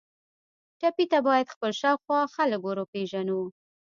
ټپي ته باید خپل شاوخوا خلک وروپیژنو.